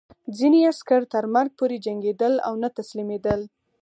ځینې عسکر تر مرګ پورې جنګېدل او نه تسلیمېدل